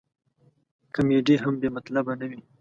کمیډي هم بې مطلبه نه وي.